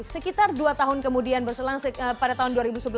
sekitar dua tahun kemudian berselang pada tahun dua ribu sebelas